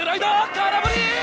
空振り！